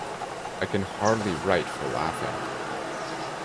I can hardly write for laughing.